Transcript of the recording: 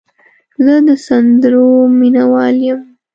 زه د سندرو مینه وال یم.